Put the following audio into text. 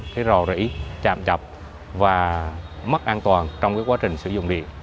cái rò rỉ chạm chập và mất an toàn trong cái quá trình sử dụng điện